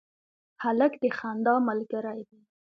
هلک د خندا ملګری دی.